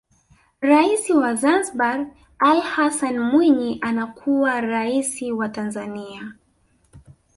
Rais wa Zanzibar Ali Hassan Mwinyi anakuwa Rais wa Tanzania